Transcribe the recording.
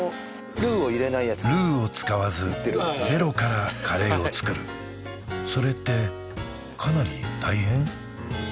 ルーを使わずゼロからカレーを作るそれってかなり大変？